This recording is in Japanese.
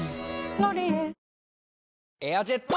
「ロリエ」